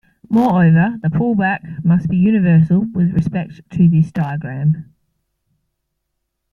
Moreover, the pullback must be universal with respect to this diagram.